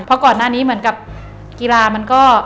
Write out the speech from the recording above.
เพราะก่อนหน้านี้เหมือนกับกีฬามันก็